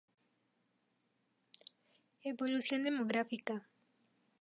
Evolución demográfica